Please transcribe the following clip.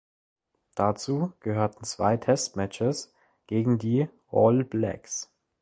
Dazu gehörten zwei Test Matches gegen die "All Blacks".